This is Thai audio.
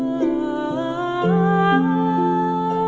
อ๋อมันก็แทบจะไม่ได้รับเหมือนเดียว